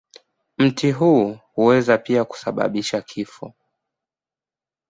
Mti huu huweza pia kusababisha kifo.